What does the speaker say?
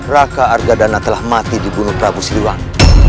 raka argadana telah mati dibunuh prabu siliwan